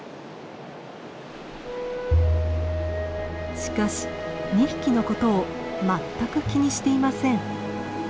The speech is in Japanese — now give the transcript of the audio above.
しかし２匹のことを全く気にしていません。